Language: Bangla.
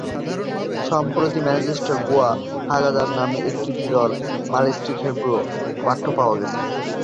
সম্প্রতি, ম্যানচেস্টারে "পুনা হাগাদাহ" নামে একটি বিরল মারাঠি-ইব্রীয় পাঠ্য পাওয়া গেছে।